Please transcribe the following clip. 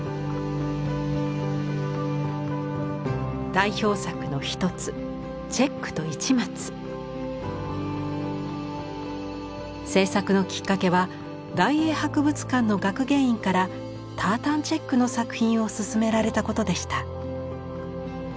代表作の一つ制作のきっかけは大英博物館の学芸員からタータンチェックの作品をすすめられたことでした。